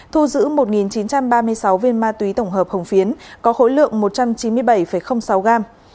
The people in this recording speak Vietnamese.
thu giữ một chín trăm ba mươi sáu viên ma túy tổng hợp hồng phiến có khối lượng một trăm chín mươi bảy sáu gram